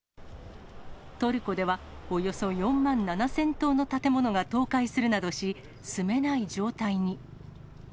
トルコでは、およそ４万７０００棟の建物が倒壊するなどし、住めない状態に。